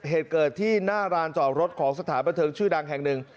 เหตุเกิดที่หน้าร้านจอดรถของสถานบันเทิงชื่อดังแห่งหนึ่ง